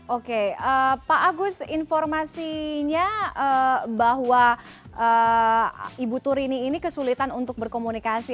oke pak agus informasinya bahwa ibu turini ini kesulitan untuk berkomunikasi